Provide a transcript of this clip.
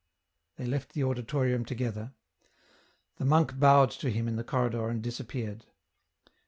They left the auditorium together ; the monk bowed to him in the corridor and disappeared.